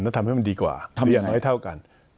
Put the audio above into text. แล้วทำให้มันดีกว่าเรียงไว้เท่ากัน